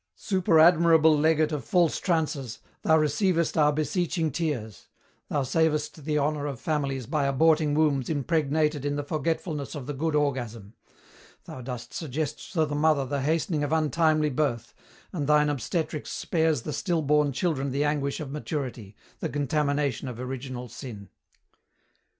"Superadmirable legate of false trances, thou receivest our beseeching tears; thou savest the honour of families by aborting wombs impregnated in the forgetfulness of the good orgasm; thou dost suggest to the mother the hastening of untimely birth, and thine obstetrics spares the still born children the anguish of maturity, the contamination of original sin.